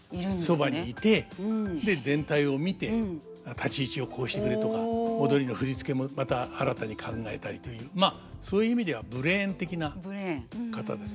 そばにいて全体を見て立ち位置をこうしてくれとか踊りの振り付けもまた新たに考えたりというまあそういう意味ではブレーン的な方ですね。